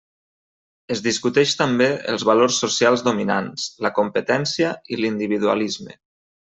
Es discuteix també els valors socials dominants, la competència i l'individualisme.